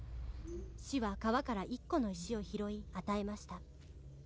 「死は川から１個の石を拾い与えました」